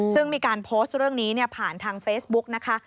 ซึ่งมีการโพสต์เรื่องนี้ผ่านทางเฟซบุ๊กนะคะ